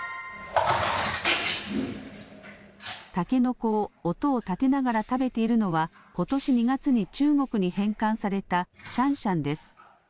たけのこを音を立てながら食べているのは、ことし２月に中国に返還されたシャンシャンです。